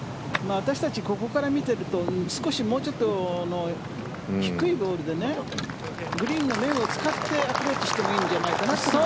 私たち、ここから見ているともう少し低い位置のボールでグリーンの面を使ってアプローチしてもいいんじゃないかなと。